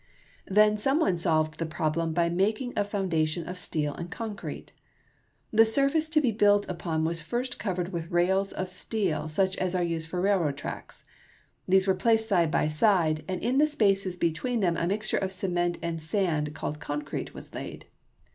Then some one solved the problem by making a foun dation of steel and concrete. The surface to be built upon was first covered with rails of steel such as are used for railroad tracks. These were placed side by side, and in the spaces between them a mixture of cement and sand called concrete was laid.